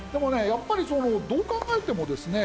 やっぱりどう考えてもですね